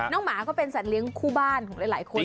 หมาก็เป็นสัตว์เลี้ยงคู่บ้านของหลายคน